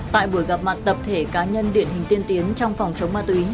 tại buổi gặp mặt tập thể cá nhân điển hình tiên tiến trong phòng chống ma túy